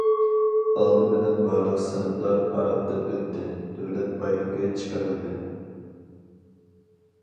ئالدى بىلەن بارلىق سىنىپلار پاراتتىن ئۆتتى، دۆلەت بايرىقى چىقىرىلدى.